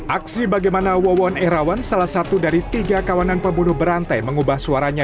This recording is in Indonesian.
aksi bagaimana wawon erawan salah satu dari tiga kawanan pembunuh berantai mengubah suaranya